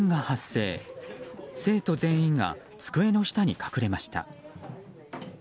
生徒全員が机の下に隠れました。